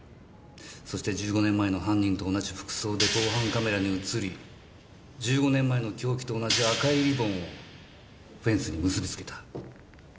そして１５年前の犯人と同じ服装で防犯カメラに映り１５年前の凶器と同じ赤いリボンをフェンスに結びつけた。